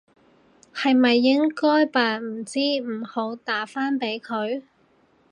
係咪應該扮唔知唔好打返俾佢？